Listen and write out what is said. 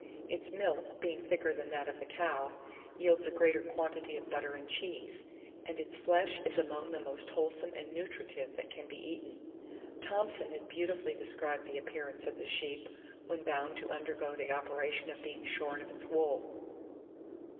Its milk, being thicker than that of the cow, yields a greater quantity of butter and cheese, and its flesh is among the most wholesome and nutritive that can be eaten. Thomson has beautifully described the appearance of the sheep, when bound to undergo the operation of being shorn of its wool.